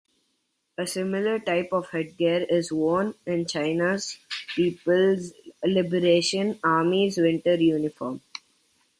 A similar type of headgear is worn in China's People's Liberation Army's winter uniform.